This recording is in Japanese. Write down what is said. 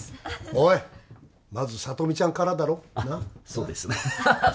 おいまず聡美ちゃんからだろなっそうですねハハッ